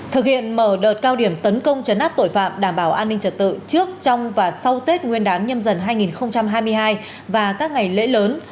thực hiện mở đợt cao điểm tấn công chấn áp tội phạm đảm bảo an ninh trật tự trước trong và sau tết nguyên đán nhâm dần hai nghìn hai mươi hai và các ngày lễ lớn